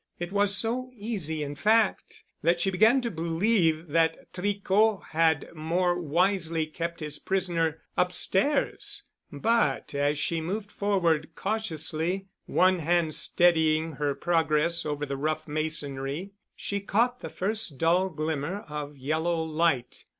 It was so easy in fact that she began to believe that Tricot had more wisely kept his prisoner upstairs, but as she moved forward cautiously, one hand steadying her progress over the rough masonry, she caught the first dull glimmer of yellow light.